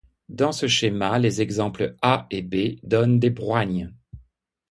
Dans ce schéma, les exemples A et B donnent des broignes.